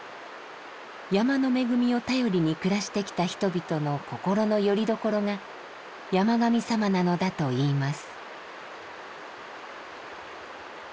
山の恵みを頼りに暮らしてきた人々の心のよりどころが山神さまなのだといいます。